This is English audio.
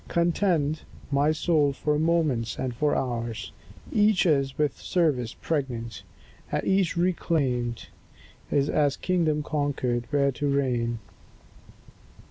Contend, my soul, for moments and for hours; Each is with service pregnant; each reclaimed Is as a kingdom conquered, where to reign.